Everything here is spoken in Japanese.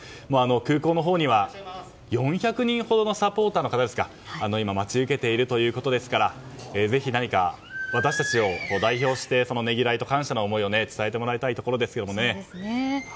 空港のほうには４００人ほどのサポーターの方が今、待ち受けているということですからぜひ、何か私たちを代表して労いと感謝の思いを伝えてもらいたいところですが。